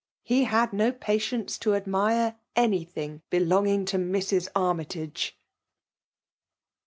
He had no patience to admire anything belonging to Mrs. Armytage